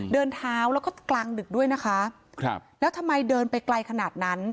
เดินเท้าแล้วก็กลางดึกด้วยนะคะครับแล้วทำไมเดินไปไกลขนาดนั้น